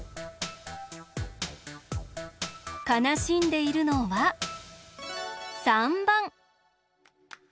かなしんでいるのは３ばん。